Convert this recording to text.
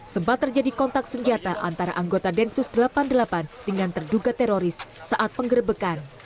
sempat terjadi kontak senjata antara anggota densus delapan puluh delapan dengan terduga teroris saat penggerbekan